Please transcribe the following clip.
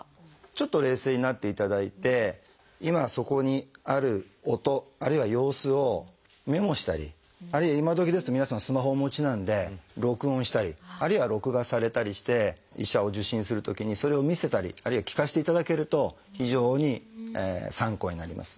ちょっと冷静になっていただいて今そこにある音あるいは様子をメモしたりあるいは今どきですと皆さんスマホをお持ちなんで録音したりあるいは録画されたりして医者を受診するときにそれを見せたりあるいは聴かせていただけると非常に参考になります。